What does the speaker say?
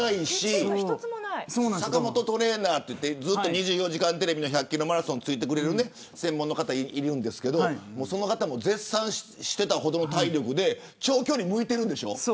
坂本トレーナーといって２４時間テレビの１００キロマラソンについてくれる専門の方がいるんですがその人も絶賛していたほどの体力で長距離向いてるんでしょ。